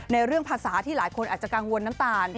เรื่องภาษาที่หลายคนอาจจะกังวลน้ำตาล